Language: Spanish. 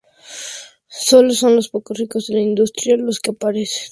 solo son los pocos ricos de la industria los que aparecen